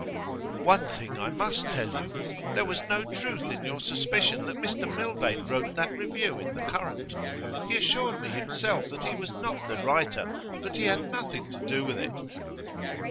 'One thing I must tell you. There was no truth in your suspicion that Mr Milvain wrote that review in The Current. He assured me himself that he was not the writer, that he had nothing to do with it.